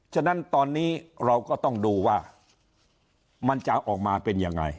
ฉะนั้นตอนนี้เราก็ต้องดูว่ามันจะออกมาเป็นยังไง